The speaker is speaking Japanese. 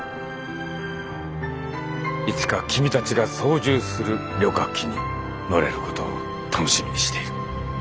いつか君たちが操縦する旅客機に乗れることを楽しみにしている。